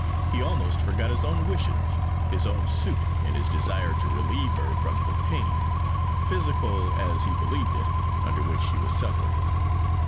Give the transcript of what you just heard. He almost forgot his own wishes, his own suit, in his desire to relieve her from the pain, physical as he believed it, under which she was suffering.